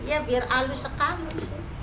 ya biar halus sekali sih